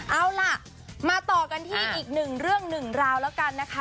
เอาล่ะมาต่อกันที่อีกหนึ่งเรื่องหนึ่งราวแล้วกันนะคะ